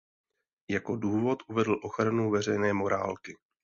Jako důvod uvedl ochranu veřejné morálky.